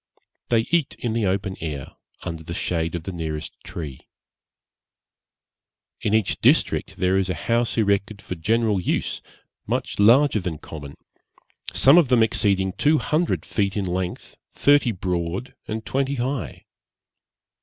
They eat in the open air, under the shade of the nearest tree. In each district there is a house erected for general use, much larger than common, some of them exceeding two hundred feet in length, thirty broad, and twenty high.